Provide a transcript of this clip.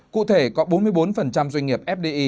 cụ thể có bốn mươi bốn doanh nghiệp fdi